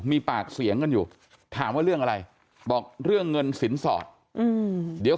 มีปากเสียงกันอยู่ถามว่าเรื่องอะไรบอกเรื่องเงินสินสอดเดี๋ยว